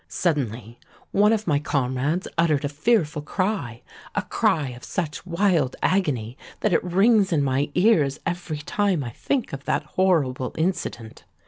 Suddenly one of my comrades uttered a fearful cry—a cry of such wild agony that it rings in my ears every time I think of that horrible incident.